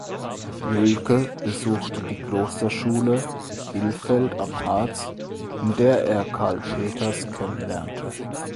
Jühlke besuchte die Klosterschule Ilfeld am Harz, in der er Carl Peters kennenlernte.